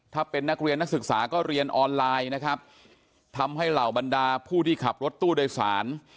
ถ้าเป็นนักเรียนนักศึกษาก็เรียนออนไลน์นะครับทำให้เหล่าบรรดาผู้ที่ขับรถตู้โดยสาร